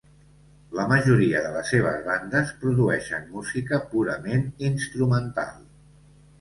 La majoria de les seves bandes produeixen música purament instrumental.